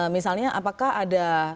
misalnya apakah ada